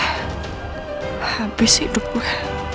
habis hidup gue